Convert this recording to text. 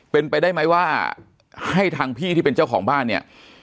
เป็นไปได้ไหมว่าให้ทางพี่ที่เป็นเจ้าของบ้านเนี่ย